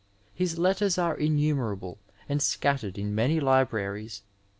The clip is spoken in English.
His letters are innumerable and scattered in many libraries.